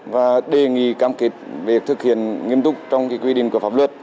và đề nghị cam kết về thực hiện nghiêm túc trong quy định của pháp luật